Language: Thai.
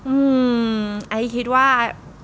อืมไอซ์คิดว่า